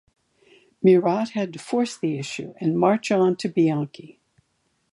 Murat had to force the issue and march on Bianchi.